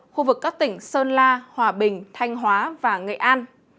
khu vực các tỉnh sơn la hòa bình thanh hóa và nghệ an